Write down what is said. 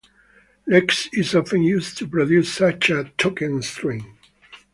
Lex is often used to produce such a token-stream.